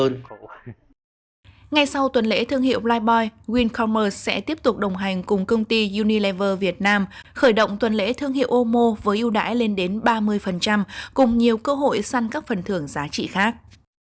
ngay sau tuần lễ thương hiệu libboy wincommer sẽ tiếp tục đồng hành cùng công ty unilever việt nam khởi động tuần lễ thương hiệu ômo với ưu đãi lên đến ba mươi cùng nhiều cơ hội săn các phần thưởng giá trị khác